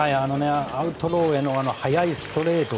アウトローへの速いストレート。